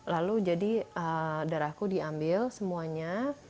lalu jadi darahku diambil semuanya